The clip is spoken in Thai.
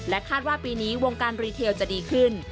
คาดว่าปีนี้วงการรีเทลจะดีขึ้น